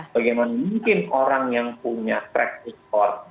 bagaimana mungkin orang yang punya track record